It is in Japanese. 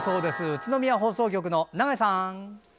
宇都宮放送局、長井さん。